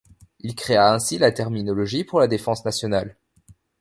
Il créa ainsi la terminologie pour la Défense nationale.